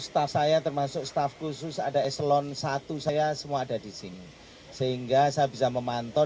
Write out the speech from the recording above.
staff saya termasuk staff khusus ada eselon satu saya semua ada di sini sehingga saya bisa memantau